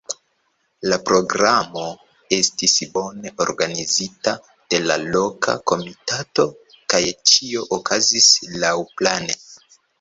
La programo estis bone organizita de la loka komitato, kaj ĉio okazis laŭplane.